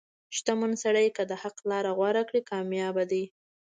• شتمن سړی که د حق لار غوره کړي، کامیابه دی.